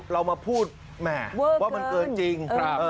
เรามาพูดแหมว่ามันเกินจริง